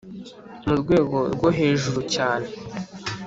mu rwego rwo hejuru cyane